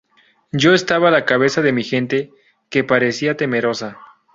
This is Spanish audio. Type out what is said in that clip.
yo estaba a la cabeza de mi gente, que parecía temerosa